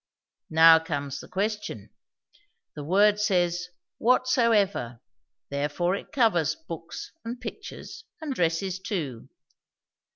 Now comes the question. The word says 'whatsoever'; therefore it covers books and pictures and dresses too.